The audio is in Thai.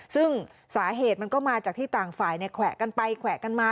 ซึ่งสาเหตุมันก็มาจากที่ต่างฝ่ายแขวะกันไปแขวะกันมา